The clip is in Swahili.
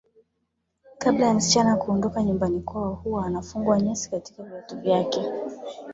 Kabla ya msichana kuondoka nyumbani kwao huwa anafungwa nyasi katika viatu vyake